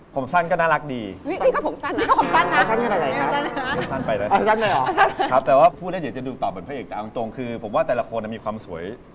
ผมสั้นก็น่ารักดีแต่ว่าผู้เล่นอยากจะดูตอบเหมือนพระเอกแต่เอาจริงคือผมว่าแต่ละคนมีความสวย